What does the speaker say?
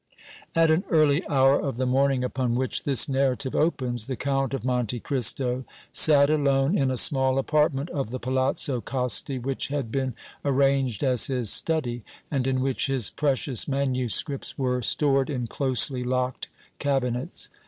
At an early hour of the morning upon which this narrative opens the Count of Monte Cristo sat alone in a small apartment of the Palazzo Costi, which had been arranged as his study and in which his precious manuscripts were stored in closely locked cabinets.